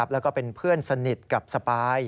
แล้วก็เป็นเพื่อนสนิทกับสปาย